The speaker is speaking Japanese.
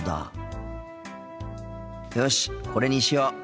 よしこれにしよう。